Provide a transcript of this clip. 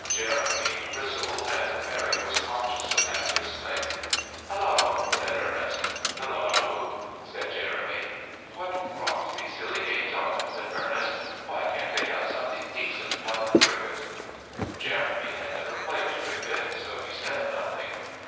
Jeremy "bristled," and Mary was conscious of that bristling. "Hallo!" said Ernest. "Hallo!" said Jeremy. "What rot these silly games are!" said Ernest. "Why can't they have something decent, like cricket?" Jeremy had never played cricket, so he said nothing.